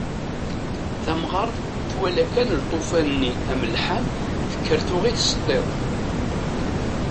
Tamɣart twala kan lṭufan-nni amelḥan tekker tuɣ-it s tiṭ.